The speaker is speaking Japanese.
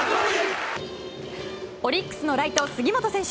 オリックスのライト、杉本選手。